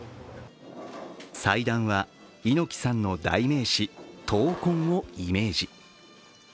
祭壇は、猪木さんの代名詞・闘魂をイメージ。